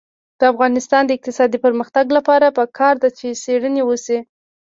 د افغانستان د اقتصادي پرمختګ لپاره پکار ده چې څېړنې وشي.